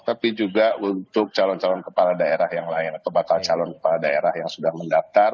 tapi juga untuk calon calon kepala daerah yang lain atau bakal calon kepala daerah yang sudah mendaftar